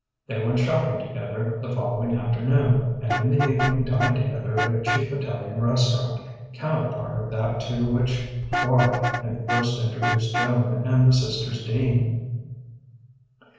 They went shopping together the following afternoon, and in the evening dined together at a cheap Italian restaurant, counterpart of that to which Quard had first introduced Joan and the Sisters Dean.